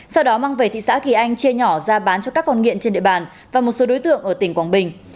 sau đó mang về thị xã kỳ anh chia nhỏ ra bán cho các con nghiện trên địa bàn và một số đối tượng ở tỉnh quảng bình